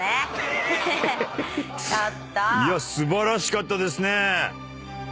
素晴らしかったですね。